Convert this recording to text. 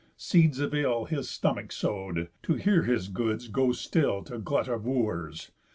Seeds of ill His stomach sow'd, to hear his goods go still To glut of Wooers.